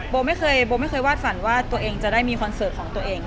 ไม่เคยโบไม่เคยวาดฝันว่าตัวเองจะได้มีคอนเสิร์ตของตัวเอง